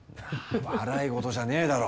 笑い事じゃねえだろ。